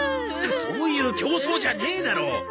そういう競争じゃねえだろ！